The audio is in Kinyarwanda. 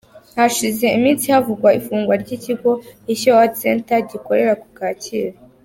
Hashize iminsi havugwa ifungwa ry’ikigo Ishyo Art Center gikorera ku Kacyiru.